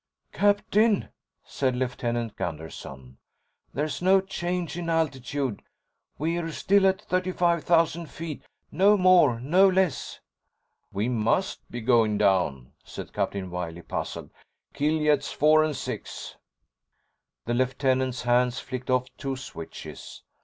"Captain," said Lieutenant Gunderson. "There's no change in altitude. We're still at 35,000 feet, no more, no less." "We must be going down," said Captain Wiley, puzzled. "Kill jets 4 and 6." The Lieutenant's hands flicked off two switches.